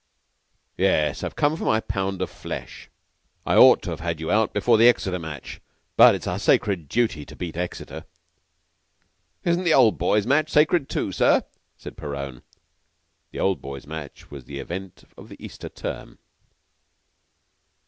"Yes, I've come for my pound of flesh. I ought to have had you out before the Exeter match; but it's our sacred duty to beat Exeter." "Isn't the Old Boys' match sacred, too, sir?" said Perowne. The Old Boys' match was the event of the Easter term.